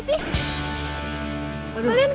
kok kita ketemu lagi sih